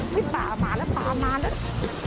นี่ป่ามาแล้วป่ามาแล้ว